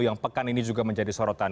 yang pekan ini juga menjadi sorotan